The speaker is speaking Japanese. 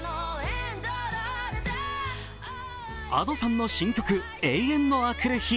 Ａｄｏさんの新曲「永遠のあくる日」